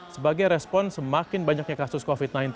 sebagai respon semakin banyaknya kasus covid sembilan belas